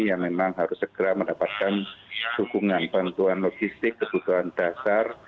yang memang harus segera mendapatkan dukungan bantuan logistik kebutuhan dasar